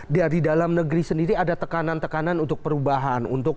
dari dalam negeri sendiri ada tekanan tekanan untuk perubahan